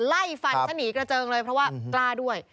ไล่ฟันซะหนีกระเจิงเลยเพราะว่ากล้าด้วย